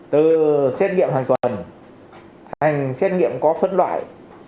từ xét nghiệm hoàn toàn thành xét nghiệm có phân loại